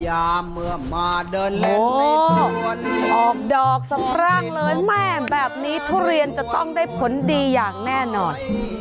เมื่อมาเดินเล่นในท่อนออกดอกสะพร่างเลยแม่แบบนี้ทุเรียนจะต้องได้ผลดีอย่างแน่นอน